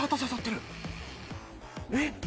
えっ？